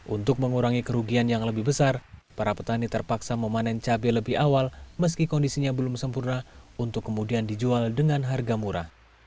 untuk mengurangi kerugian yang lebih besar para petani terpaksa memanen cabai lebih awal meski kondisinya belum sempurna untuk kemudian dijual dengan harga murah